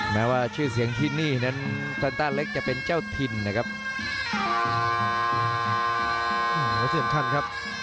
แม้ว่าชื่อเสียงที่นี่นั้นซันต้าเล็กจะเป็นเจ้าถิ่นนะครับ